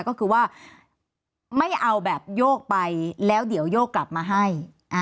ก็คือว่าไม่เอาแบบโยกไปแล้วเดี๋ยวโยกกลับมาให้